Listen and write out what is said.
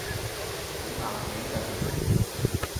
好硬頸㗎佢